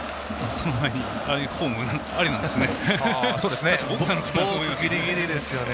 その前にああいうフォームありなんですね。